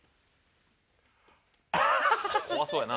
怖そうやな。